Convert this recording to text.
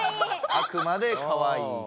あくまでかわいい。